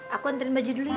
aku nganterin baju dulu ya